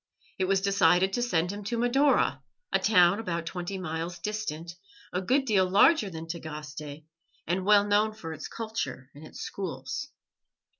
It was decided to send him to Madaura, a town about twenty miles distant, a good deal larger than Tagaste, and well known for its culture and its schools.